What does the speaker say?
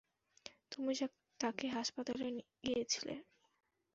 তুমি তাকে হাসপাতালে নিয়ে গিয়েছিলে।